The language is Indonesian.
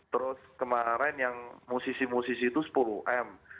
terus kemarin yang musisi musisi itu sepuluh m